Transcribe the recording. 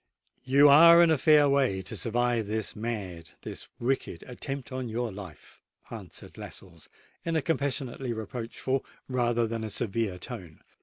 "You are in a fair way to survive this mad—this wicked attempt upon your life," answered Lascelles, in a compassionately reproachful rather than a severe tone.